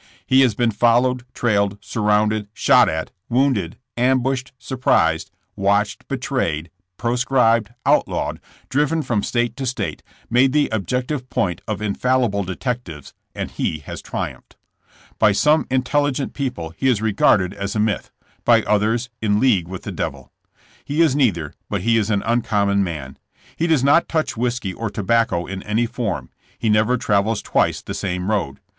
He has been followed, trailed, surrounded, shot at, wounded, ambushed, surprised, watched, betrayed, proscribed, outlawed, driven from state to state, made the objective point of infallible detectives, and he has triumphed. By some intelli 72 JKSS« JAMKS. gent people he is regarded as a mytli; by others as in league with the devil. He is neither, but he is an uncommon man. He does not touch whiskey or tobacco in any form. He never travels twice the same road.